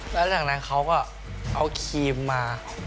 แล้วจากนั้นเขาก็เอาครีมมา